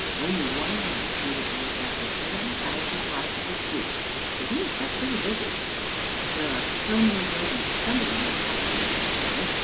Only one man is needed to look after 7,500 sheep, so he is kept pretty busy." " There are so many buildings somebody must have to look after them.